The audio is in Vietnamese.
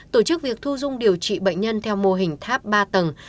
tổ chức việc thu dung điều trị bệnh nhân theo mô hình tháp ba tầng